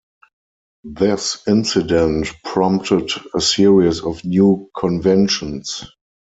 This incident prompted a series of new conventions.